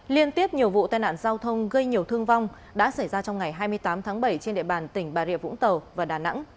liên tiếp nhiều vụ tai nạn giao thông gây nhiều thương vong đã xảy ra trong ngày hai mươi tám tháng bảy trên địa bàn tỉnh bà rịa vũng tàu và đà nẵng